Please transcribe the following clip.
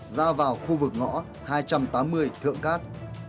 ra vào khu vực ngõ hai trăm tám mươi thượng cát